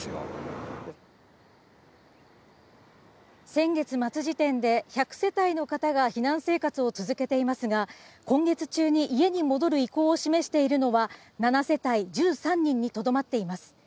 先月末時点で１００世帯の方が避難生活を続けていますが、今月中に家に戻る意向を示しているのは７世帯１３人にとどまっています。